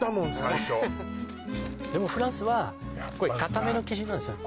最初フランスは硬めの生地なんですよ